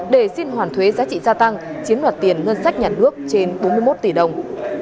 để xin hoàn thuế giá trị gia tăng chiếm đoạt tiền ngân sách nhà nước trên bốn mươi một tỷ đồng